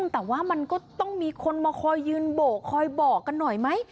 แต่ว่ามันก็ต้องมีคนมาคอยยืนโบกคอยบอกกันหน่อยไหม